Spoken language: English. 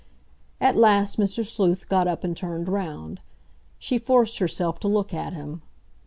At last Mr. Sleuth got up and turned round. She forced herself to look at him.